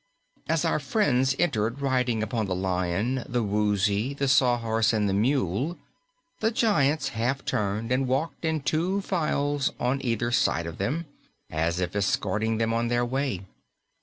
As our friends entered riding upon the Lion, the Woozy, the Sawhorse and the Mule, the giants half turned and walked in two files on either side of them, as if escorting them on their way.